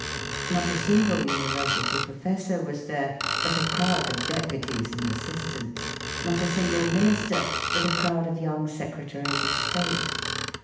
Not a single university professor was there, but a crowd of deputies and assistants; not a single minister, but a crowd of young secretaries of state.